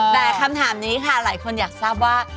แต่คำถามนี้ค่ะหลายคนอยากทราบว่า